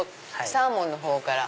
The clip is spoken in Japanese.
サーモンのほうから。